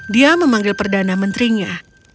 dia memanggil perdana menterinya